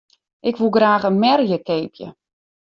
Ik woe graach in merje keapje.